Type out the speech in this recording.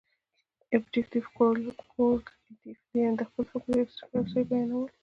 ابجګټف کورلیټف، یعني د خپل فکر څخه یو شي بیانول.